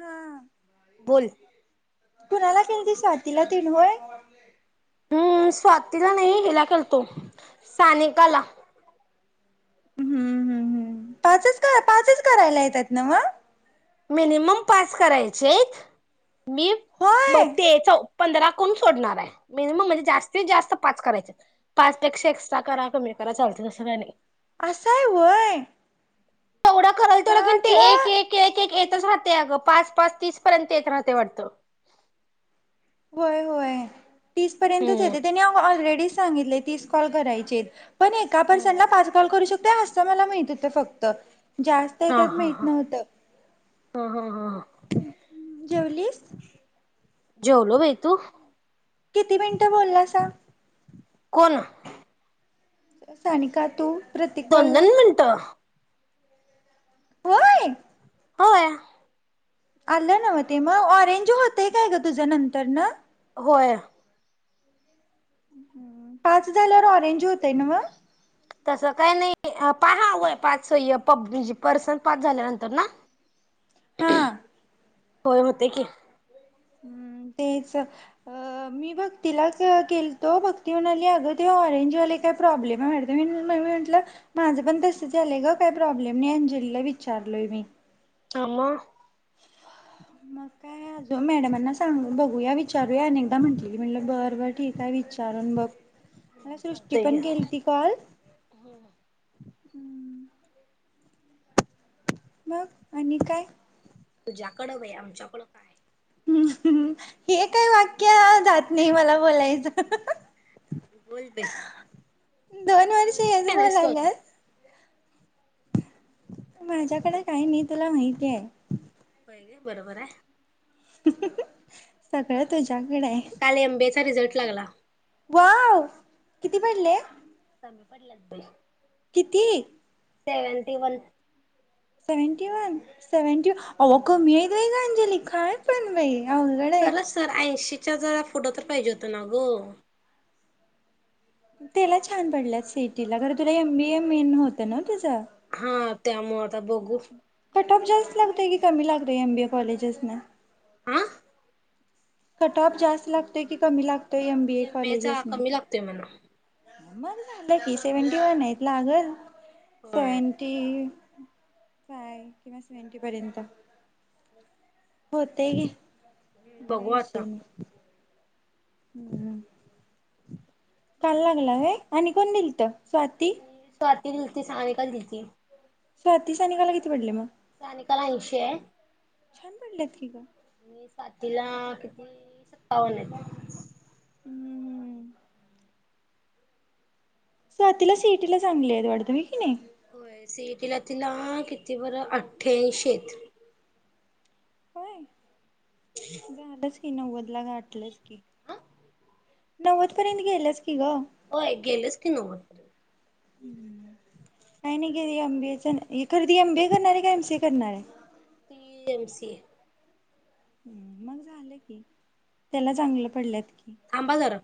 हा बोल कुणाला केेलतीस स्वातीला तेन होय? ह स्वा तिला नाही हिला केलतो तो सानिकाला हम्म हम्म हम् पाचच पाचच करायला येतात न्हव? मिनिमम पाच करायचेत. मी होय बघते चौ पंधरा कोण सोडणार आहे. मिनिमम म्हणजे जास्तीत जास्त पाच करायचेत. पाच पेक्षा एक्स्ट्रा करा कमी करा चालत तसं काही नाही. अस हाय व्हय! एवढा करालतो मला कणी ते एक वाटलं एक एक तसचं राहतय अगं पाच पाच तीस पर्यंत येत राहतय वाटत. होय. होय. तीस पर्यंतच हम्म येतय. त्यांनी ऑलरेडी, सांगितले तीस कॉल करायचे. पण एका पर्सनला पाच काॅल करू शकत ते असत मला माहिती होत फक्त, जास्त हाय हा त्यात हा माहीत हा नव्हत. हा हा हा जेवलीस, जेवलो बाई तू किती मिनिटं बोललासा? कोण? सनिका तू प्रत्येक दोन कॉलला? दोन मिनिट होय. होय. आलयं न्हव ते म, ऑरेंज होतंय काय ग? तुझ नंतरन होय. पाच झाल्यावर ऑरेंज होतय न्हव? तसं काय नाही, पाच व्हय पाच पबनी पर्सन पाच झाल्यानंतर ना, हं होय होतय की, हम्म तेच मी भक्तीला केलतो भक्ती म्हणाली, अगं ते ऑरेंजवाले काय प्रॉब्लेम आहे वाडत मी म्हटलं माझं पण तस यालंय, ग काय प्रॉब्लेम नाही अंजलीला विचारलोय मी, हा. म मग काय अजून मॅडमांना सांगू बघूया, विचारूया अनेकदा म्हटलेली मी म्हटलं बरं बरं ठीक आहे. विचारून बघ, मला सृष्टी ते पण केली ती कॉल [inaudible] मग आणि काय? तुझ्याकडं बाई, आमच्याकडं काय? हम् हम् हे काही वाक्य जात नाही मला बोलायचं. बोलते, दोन वर्ष जेवलीस हेच काय नाहीस तु अजून, बोलाल्यास. माझ्याकडे काही नाही तुला माहिती आहे. व्हय बरोबर आहे. सगळ्या तुझ्या कड आहे. काल एमबीएचा रिझल्ट लागला. वाव किती पडले, कमी पडल्यात बाई किती? Seventy one. Seventy one. Seventy one कमी आहे व्हय अंजली काय पण बाई. अवघड आहे खरंच तर ऐंशी तुमच्या जरा फोटो तर पाहिजे होत ना ग. त्याला छान पडल्यात सिटीला कारण तुला एम बी ए मेन होतं ना तुझं. हा त्यामुळे आता बघू. कट ऑफ जास्त लागतय की. कमी लाग र एमबीए कॉलेजेस न. आह. कटऑफ जास्त लागते की कमी लागते? म बी ए कमी लागतोय म्हणा. मला की सेव्हंटी वन आहे लागल. होय सेवेंटी. फय किंवा सेंटी पर्यंत होतय ग. न बघू काय आता विषयने. हम् काल आणि काय लागला आहे आणि कोण गेलता स्वाती आणि स्वाती गेलती सानिका गेलती स्वाती सनिकाला किती पडले मग? सानिका ला ऐंशी. छान पडल्यात की ग स्वाती ला किती सत्तावन्न आहे. हम्म स्वातीला सिटीला चांगली आहेत वाढत मी कि नाही होय सीईटीला तिला किती बरं अठ्ठ्यांशी. होय. झालंच हेी नव्वद तिला घाटलंच की नव्वद पर्यंत गेलास की ग होय गेलेच की नवद [unintelligible] का नाही गेली एमबीएच खरदी एमबीए करणारे का एमसीए करणारे [unintelligible] एम सी ए हम्म मग झालं की त्याला चांगलं पडल्यात कि थांबा जरा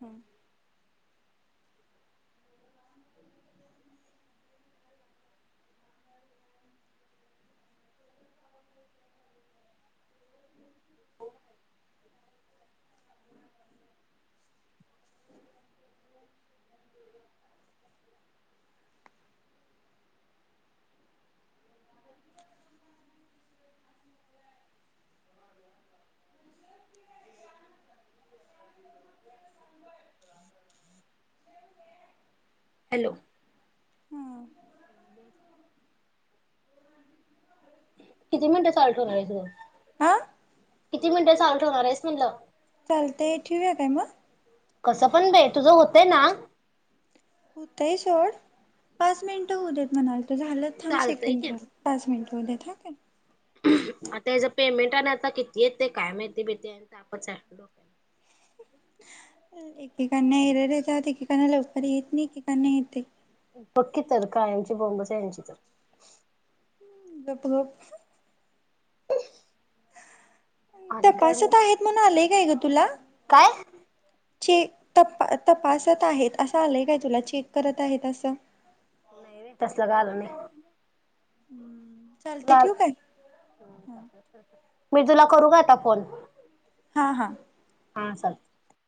हम [unintelligible] हो. हॅलो. हा किती मिनिटं सॉल्ट होणार आहे त हा किती मिनिटं सॉल्ट होणार आहेस म्हटलं?. चालतय ठेउया काय मग? कसं पण भे तुझं होतंय ना? होतय सोड पाच मिनिटं होऊ देत म्हणाल. तर झालं थांब चालतंय सेकंड की झालं पाच मिनिट. [unintelligible] आता याच पेमेंट आणि आता किती येतय ते काय माहिती बाय ते? तापचे डोक एकेकांना येरर येतात. एकेकांना लवकर येत नाही. एकेकांना येते. पक्की तर कायमची बोंबच आहे यांची तर [unintelligible] आणि काय मग तपासात आहेत म्हण आलेय काय ग तुला? काय चेक तपा तपासत आहेत असं आलंय काय तुला? चेक करत आहेत असं. नाही रे तसल काय आलं नाही. हम्म. लाल. मी तुला करू का आता फोन? हा हा. हा चालतंय